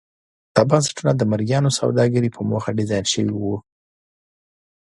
دا بنسټونه د مریانو سوداګرۍ په موخه ډیزاین شوي وو.